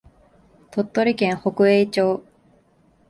鳥取県北栄町